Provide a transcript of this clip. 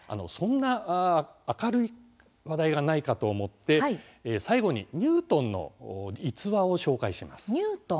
そんな明るい話題がないかと思って最後にニュートンの逸話を紹介します。